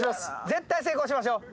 絶対成功しましょう！